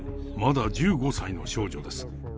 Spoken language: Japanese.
まだ１５歳の少女です。